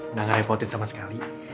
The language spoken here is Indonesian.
nggak ngerepotin sama sekali